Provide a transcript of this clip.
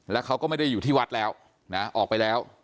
แล้วเขาก็ไม่ได้อยู่ที่วัดแล้วนะออกไปแล้ว